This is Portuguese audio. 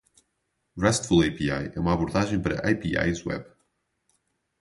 RESTful API é uma abordagem para APIs web.